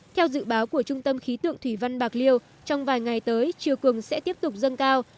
theo dự báo của trung tâm khí tượng thủy văn bạc liêu trong vài ngày tới chiều cường sẽ tiếp tục dâng cao